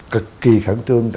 cực kỳ khẳng trương